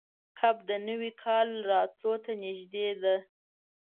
کب د نوي کال راتلو ته نږدې ده.